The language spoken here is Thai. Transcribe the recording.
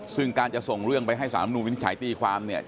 ซึ่งการจะส่งเรื่องไปให้สารมนุนวินิจฉัยตีความเนี่ย